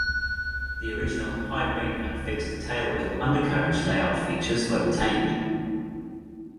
The original high-wing and fixed tailwheel undercarriage layout features were retained.